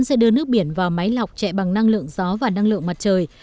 nước biển sẽ đưa nước biển vào máy lọc chạy bằng năng lượng gió và năng lượng mặt trời